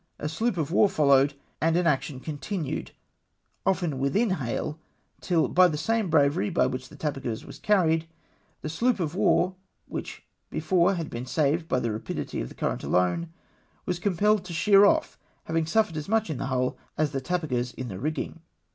A sloop of war followed, and an action continued — often within hail ■— till by the same bravery by which the Tapageuse was carried, the sloop of war, which before had been saved by the rapidity of the current alone, was compelled to sheer off, having suffered as much in the hull as the Tapxigeuse in the rigging.